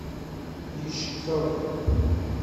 Yeckeḍ.